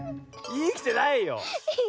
いきてないよ。